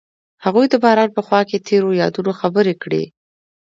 هغوی د باران په خوا کې تیرو یادونو خبرې کړې.